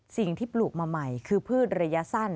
สิ่งที่ปลูกมาใหม่คือพืชระยะสั้น